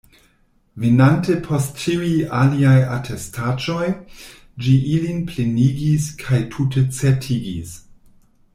Venante post ĉiuj aliaj atestaĵoj, ĝi ilin plenigis kaj tute certigis.